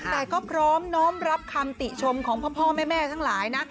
แต่ก็พร้อมน้อมรับคำติชมของพ่อแม่ทั้งหลายนะ